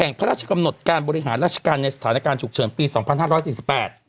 พระราชกำหนดการบริหารราชการในสถานการณ์ฉุกเฉินปีสองพันห้าร้อยสี่สิบแปด